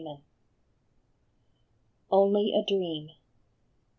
73 ONLY A DREAM.